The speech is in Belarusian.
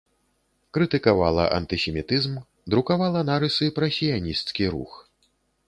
Крытыкавала антысемітызм, друкавала нарысы пра сіянісцкі рух.